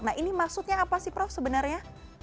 nah ini maksudnya apa sih prof sebenarnya